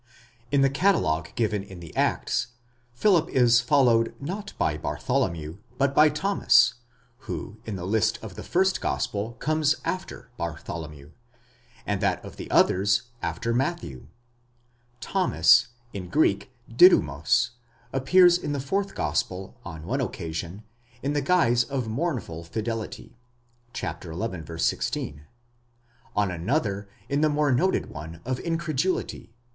In the catalogue given in the Acts, Philip is followed, not by Bartholomew, but by Thomas, who in the list of the first gospel comes after Bartholomew, in that of the others, after Matthew. Thomas, in Greek Δίδυμος, appears in the fourth gospel, on one occasion, in the guise of mournful fidelity (xi. 16) ;. on another, in the more noted one of incredulity (xx.